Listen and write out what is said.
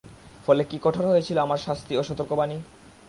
ফলে কী কঠোর হয়েছিল আমার শাস্তি ও সতর্কবাণী!